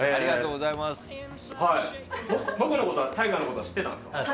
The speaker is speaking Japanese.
僕のことは、ＴＡＩＧＡのことは知ってたんですか？